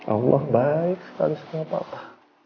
allah baik sekali sama papa